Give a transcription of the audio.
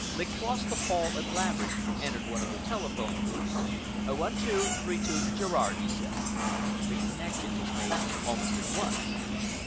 They crossed the hall and Laverick entered one of the telephone booths. "1232 Gerrard," he said. The connection was made almost at once.